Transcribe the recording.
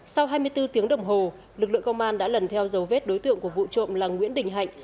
sau hai mươi bốn tiếng đồng hồ lực lượng công an đã lần theo dấu vết đối tượng của vụ trộm là nguyễn đình hạnh